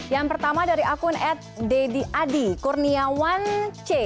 yang pertama dari akun ad dedy adi kurniawan c